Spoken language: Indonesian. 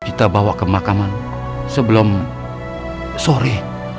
kita bawa ke makaman sebelum sore